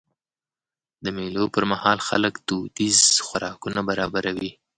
د مېلو پر مهال خلک دودیز خوراکونه برابروي.